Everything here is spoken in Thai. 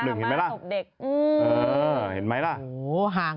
เห็นไหมล่ะ